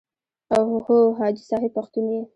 او هو حاجي صاحب پښتون یې.